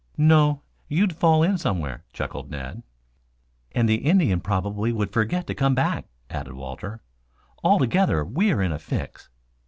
"No, you'd fall in somewhere," chuckled Ned. "And the Indian probably would forget to come back," added Walter. "Altogether we are in a fix."